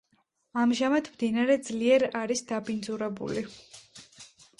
ამჟამად მდინარე ძლიერ არის დაბინძურებული.